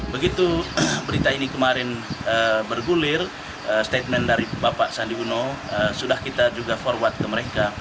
begitu berita ini kemarin bergulir statement dari bapak sandi uno sudah kita juga forward ke mereka